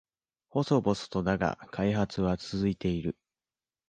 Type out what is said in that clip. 細々とだが開発は続いている